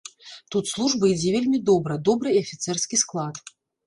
Тут служба ідзе вельмі добра, добры і афіцэрскі склад.